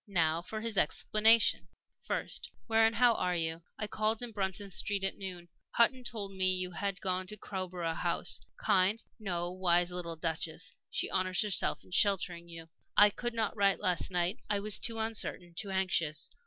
Now for his explanation: "First, how and where are you? I called in Bruton Street at noon. Hutton told me you had just gone to Crowborough House. Kind no, wise little Duchess! She honors herself in sheltering you. "I could not write last night I was too uncertain, too anxious.